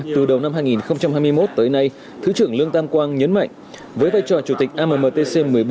từ đầu năm hai nghìn hai mươi một tới nay thứ trưởng lương tam quang nhấn mạnh với vai trò chủ tịch ammtc một mươi bốn